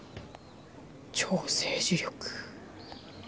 「超政治力」。